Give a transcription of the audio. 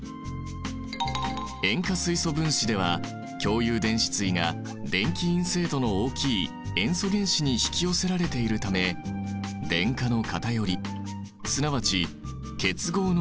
塩化水素分子では共有電子対が電気陰性度の大きい塩素原子に引き寄せられているため電荷の偏りすなわち結合の極性が生じている。